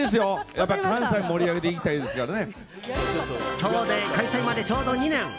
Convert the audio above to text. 今日で、開催までちょうど２年。